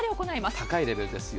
高いレベルですよ。